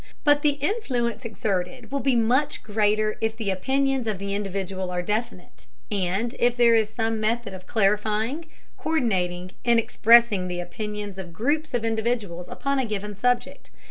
But the influence exerted will be much greater if the opinions of the individual are definite, and if there is some method of clarifying, co÷rdinating and expressing the opinions of groups of individuals upon a given subject.